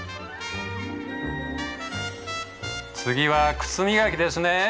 次は靴磨きですね。